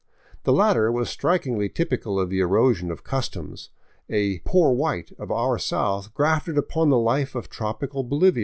The latter was strikingly typical of the erosion of customs, a " poor white " of our south grafted upon the life of tropical Bolivia.